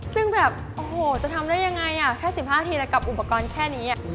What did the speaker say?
ซึ่งแบบโอ้โหจะทำได้ยังไงแค่๑๕ทีแล้วกับอุปกรณ์แค่นี้